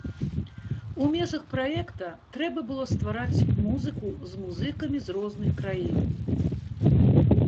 У межах праекта трэба было ствараць музыку з музыкамі з розных краін.